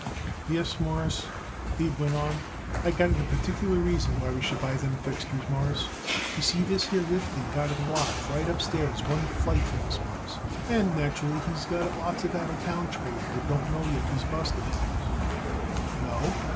"Yes, Mawruss," Abe went on, "I got it a particular reason why we should buy them fixtures, Mawruss. You see, this here Rifkin got it the loft right upstairs one flight from us, Mawruss, and naturally he's got it lots of out of town trade what don't know he's busted yet, Mawruss." "No?"